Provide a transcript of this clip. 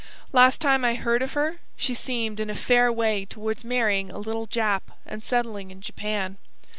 Last time I heard of her she seemed in a fair way towards marrying a little Jap and settling in Japan.